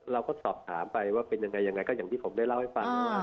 เราก็สอบถามไปว่าเป็นยังไงยังไงก็อย่างที่ผมได้เล่าให้ฟังว่า